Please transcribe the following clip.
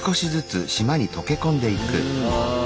うん！